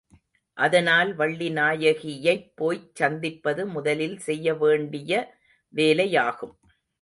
அதனால் வள்ளிநாயகியைப் போய்ச் சந்திப்பது முதலில் செய்ய வேண்டிய வேலையாகும்.